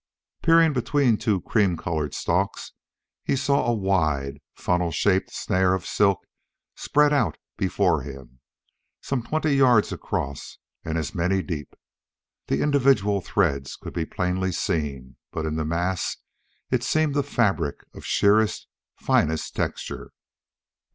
Peering between two cream colored stalks he saw a wide, funnel shaped snare of silk spread out before him, some twenty yards across and as many deep. The individual threads could be plainly seen, but in the mass it seemed a fabric of sheerest, finest texture.